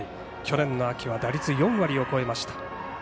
去年の秋は打率４割を超えました。